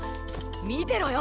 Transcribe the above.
⁉見てろよ！